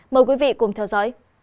mời quý vị cùng theo dõi